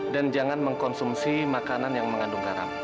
dan jangan mengkonsumsi makanan yang mengandung karam